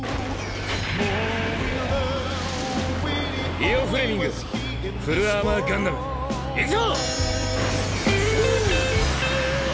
イオ・フレミングフルアーマー・ガンダムいくぞ！